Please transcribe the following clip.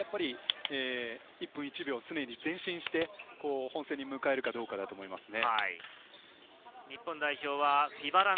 １分１秒前進して、本戦を迎えられるかどうかだと思いますね。